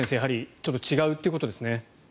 ちょっと違うということですね。